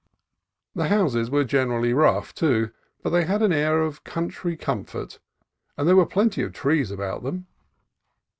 The houses were gener ally rough, too, but they had an air of country com fort, and there were plenty of trees about them.